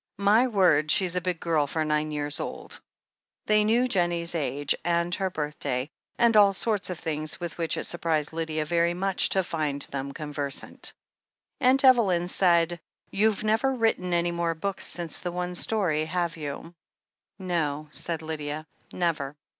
"My word, she's a big girl for nine years old !" They knew Jennie's age, and her birthday, and all sorts of things with which it surprised Lydia very much to find them conversant. Aunt Evelyn even said : "You've never written any more books since the one story, have you ?" "No," said Lydia, "never.